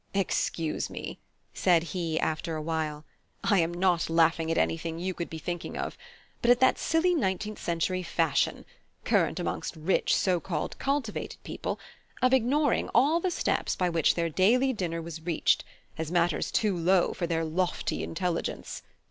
"Excuse me," said he, after a while; "I am not laughing at anything you could be thinking of; but at that silly nineteenth century fashion, current amongst rich so called cultivated people, of ignoring all the steps by which their daily dinner was reached, as matters too low for their lofty intelligence.